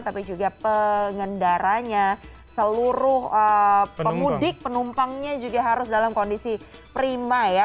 tapi juga pengendaranya seluruh pemudik penumpangnya juga harus dalam kondisi prima ya